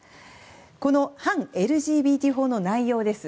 この反ＬＧＢＴ法の内容です。